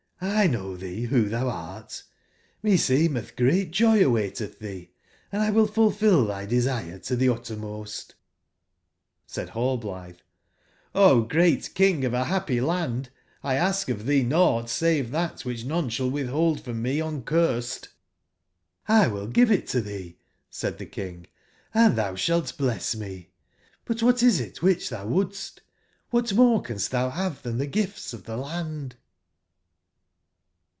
know thee who thou art: meseemeth great joy awaiteth thee, and Iwill fulfil thy desire to the uttermost "j^Said nallblithe: *'0 great King of a happy land, X ask of thee nought save that which none shall withhold frommc uncursed^j^*'! gi 8i will give it to tbcc/' said the King, "and tbou sbalt blees inc. Butwbat is it wbicb tbou wouldst? ^bat more ca nst tbou bave tban tbe Gifts of tbc land?''